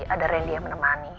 ada rendy yang menemani